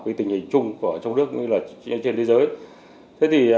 với tình hình chung của trung quốc như trên thế giới